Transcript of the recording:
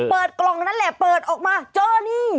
เปิดกล่องนั่นแหละเปิดออกมาเจอนี่